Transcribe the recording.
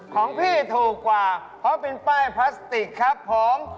ของพี่ถูกกว่าเพราะเป็นป้ายพลาสติกครับผม